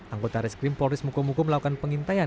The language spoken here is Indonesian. anggota reskrim polres mukomuku melakukan pengintaian